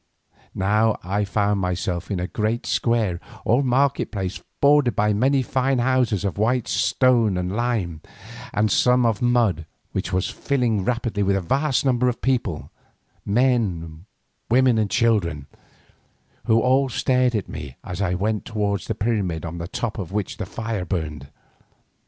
Now I found myself in a great square or market place bordered by many fine houses of stone and lime, and some of mud, which was filling rapidly with a vast number of people, men women and children, who all stared at me as I went towards the pyramid on the top of which the fire burned.